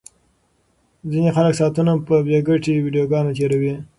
ځینې خلک ساعتونه په بې ګټې ویډیوګانو تیروي.